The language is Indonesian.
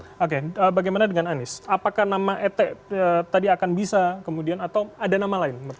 oke bagaimana dengan anies apakah nama ete tadi akan bisa kemudian atau ada nama lain